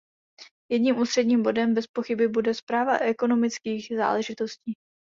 Jejím ústředním bodem bezpochyby bude správa ekonomických záležitostí.